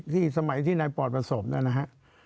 ที่สมัยที่นายปอดประสบแล้วนะฮะ